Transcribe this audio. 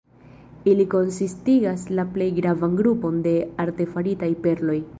Ili konsistigas la plej gravan grupon de artefaritaj perloj.